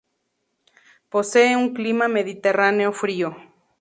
Posee un clima mediterráneo frío.